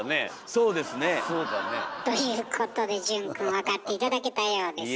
そうですね。ということで潤くん分かって頂けたようですが。